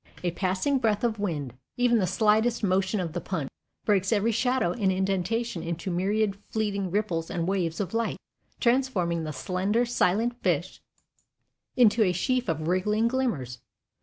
A passing breath of wind, even the slightest motion of the punt, breaks every shadow and indentation into myriad fleeting ripples and waves of light, transforming the slender, silent fish into a sheaf of wriggling glimmers.